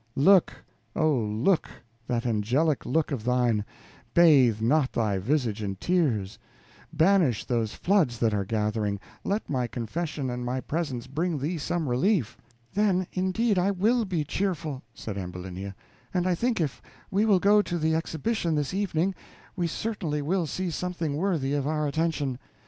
"Look, O! look: that angelic look of thine bathe not thy visage in tears; banish those floods that are gathering; let my confession and my presence bring thee some relief." "Then, indeed, I will be cheerful," said Ambulinia, "and I think if we will go to the exhibition this evening, we certainly will see something worthy of our attention.